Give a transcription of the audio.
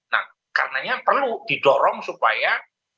nah karenanya perlu didorong supaya